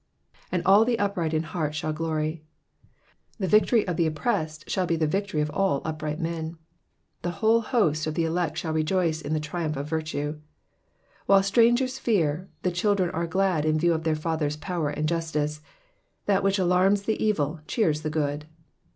^'And all the upright in heart shall glory, ^^ The victory of the oppressed shall be the victory of all upright men ; the whole host of the elect shall rejoice in the triumph of virtue. While strangers fear, the children are glad in view of their Father^s power and justice. That which alarms the evil, cheers the good.